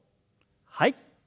はい。